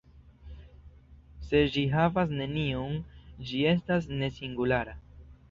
Se ĝi havas neniun, ĝi estas "ne-singulara".